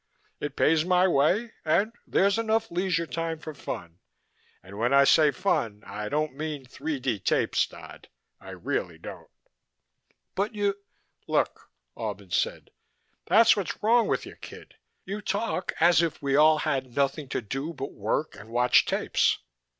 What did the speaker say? It pays my way. And there's enough leisure time for fun and when I say fun I don't mean 3D tapes, Dodd. I really don't." "But you " "Look," Albin said. "That's what's wrong with you, kid. You talk as if we all had nothing to do but work and watch tapes.